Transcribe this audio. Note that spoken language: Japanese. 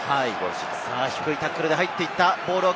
低いタックルで入っていった。